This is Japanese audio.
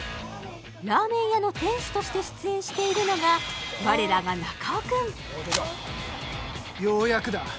ラーメン屋の店主として出演しているのが我らが中尾くんようやくだ